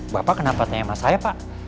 bapak kenapa tanya sama saya pak